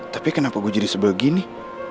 tapi kenapa gue jadi sebel gini